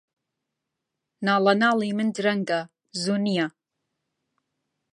ناڵەناڵی من درەنگە، زوو نییە